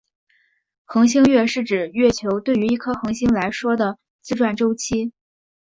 恒星月是指月球对于一颗恒星来说的自转周期。